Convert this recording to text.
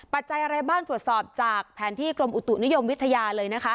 จัยอะไรบ้างตรวจสอบจากแผนที่กรมอุตุนิยมวิทยาเลยนะคะ